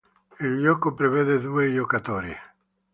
Il gioco prevede due giocatori.